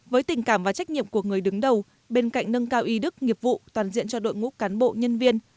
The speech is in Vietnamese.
với tình cảm và trách nhiệm của người đứng đầu bên cạnh nâng cao y đức nghiệp vụ toàn diện cho đội ngũ cán bộ nhân viên